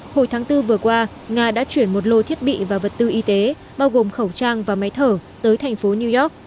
hồi tháng bốn vừa qua nga đã chuyển một lô thiết bị và vật tư y tế bao gồm khẩu trang và máy thở tới thành phố new york